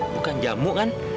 bukan jamu kan